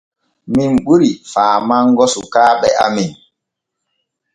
Min ɓuri faamango sukaaɓe amen.